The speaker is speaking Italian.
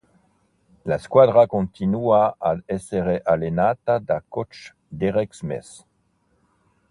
La squadra continua ad essere allenata da coach Derek Schmitt.